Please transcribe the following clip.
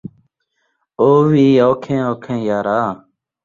او وی اوکھیں اوکھیں یارا